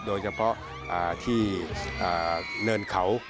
โดยเฉพาะที่เนินเขา